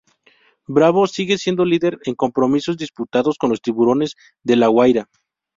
Bravo sigue siendo líder en compromisos disputados con los Tiburones de La Guaira.